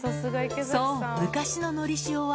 そう、昔ののりしおは。